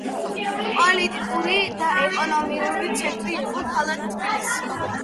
პოლიტიკური და ეკონომიკური ცენტრი იყო ქალაქი თბილისი.